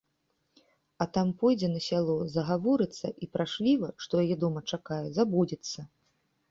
А там пойдзе на сяло, загаворыцца і пра швіва, што яе дома чакае, забудзецца.